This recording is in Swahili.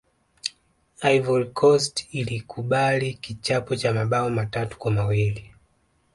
ivory coast ilikubali kichapo cha mabao matatu kwa mawili